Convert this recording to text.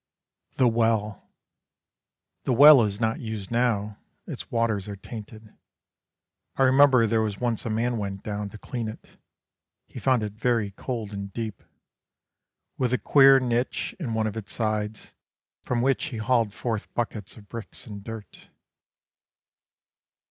THE WELL The well is not used now, Its waters are tainted. I remember there was once a man went down To clean it. He found it very cold and deep, With a queer niche in one of its sides, From which he hauled forth buckets of bricks and dirt.